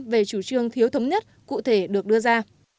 về chủ trương thiếu thống nhất cụ thể được đưa ra